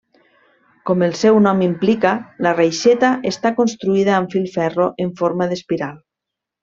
Com el seu nom implica, la reixeta està construïda amb filferro en forma d'espiral.